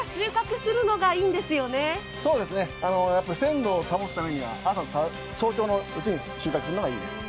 鮮度を保つためには早朝のうちに収穫するのがいいです。